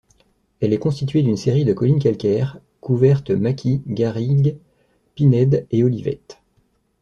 Elle est constituée d'une série de collines calcaires, couvertes maquis, garrigue, pinèdes et olivettes.